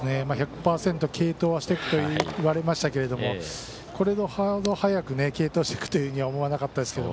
１００％継投はしてくると言われましたけどもこれだけ早く継投していくとは思わなかったですが。